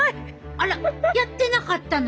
あらやってなかったの？